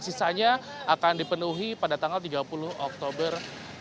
sisanya akan dipenuhi pada tanggal tiga puluh oktober dua ribu dua puluh